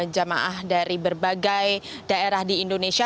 jamaah dari berbagai daerah di indonesia